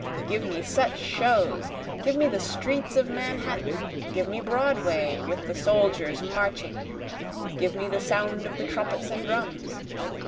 Give me such shows give me the streets of Manhattan! Give me Broadway, with the soldiers marching give me the sound of the trumpets and drums!